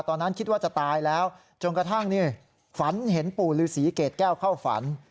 ตอนนั้นคิดว่าจะตายแล้วจนกระทั่งนี่ฝันเห็นปู่ฤษีเกรดแก้วเข้าฝัน